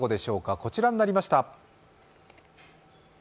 こちらになりました。